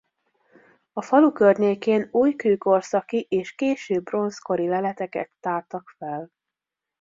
A falu környékén újkőkorszaki és késő bronzkori leleteket tártak fel.